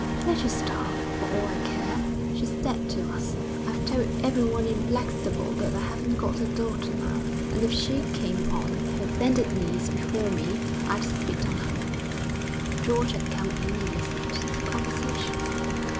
'Let her starve, for all I care. She's dead to us; I've told everyone in Blackstable that I haven't got a daughter now, and if she came on her bended knees before me I'd spit on her.' George had come in and listened to the conversation.